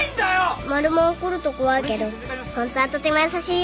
マルモは怒ると怖いけどホントはとても優しいよ